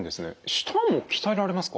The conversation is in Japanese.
舌も鍛えられますか？